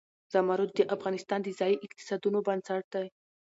زمرد د افغانستان د ځایي اقتصادونو بنسټ دی.